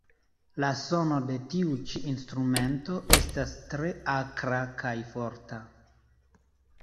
La sono de tiu ĉi instrumento estas tre akra kaj forta.